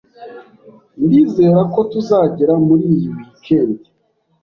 Ndizera ko tuzagera muri iyi weekend.